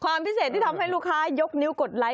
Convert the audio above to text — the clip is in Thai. ความพิเศษที่ทำให้ลูกค้ายกนิ้วกดไลค์